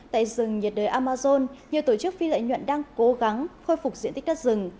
tại rừng nhiệt đới amazon nhiều tổ chức phi lợi nhuận đang cố gắng khôi phục diện tích đất rừng